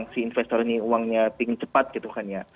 si investor ini uangnya pink cepat gitu kan ya